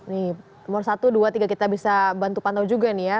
nih nomor satu dua tiga kita bisa bantu pantau juga nih ya